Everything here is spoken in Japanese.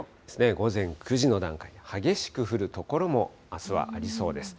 午前９時の段階で、激しく降る所もあすはありそうです。